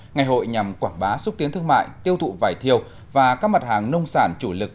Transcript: ngày hội nhằm quảng bá xúc tiến thương mại tiêu thụ vải thiều và các mặt hàng nông sản chủ lực